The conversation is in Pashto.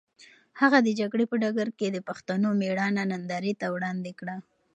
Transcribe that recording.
هغه د جګړې په ډګر کې د پښتنو مېړانه نندارې ته وړاندې کړه.